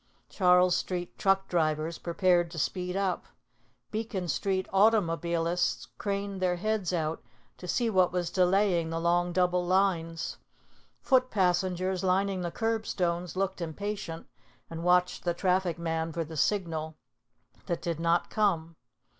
Charles Street truck drivers prepared to speed up. Beacon Street automobilists craned their heads out to see what was delaying the long double lines. Foot passengers lining the curbstones looked impatient and watched the traffic man for the signal that did not come.